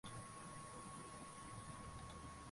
lakini tunaona tu ni mambo yanayo ishia kwa hiyo ya kusema